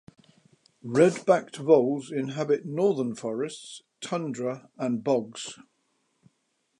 Red-backed voles inhabit northern forests, tundra and bogs.